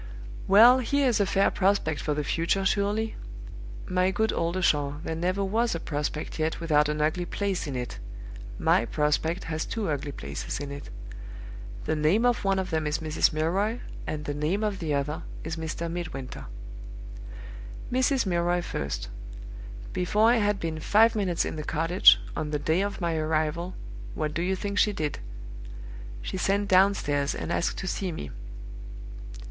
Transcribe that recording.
"Well, here is a fair prospect for the future surely? My good Oldershaw, there never was a prospect yet without an ugly place in it. My prospect has two ugly places in it. The name of one of them is Mrs. Milroy, and the name of the other is Mr. Midwinter. "Mrs. Milroy first. Before I had been five minutes in the cottage, on the day of my arrival, what do you think she did? She sent downstairs and asked to see me.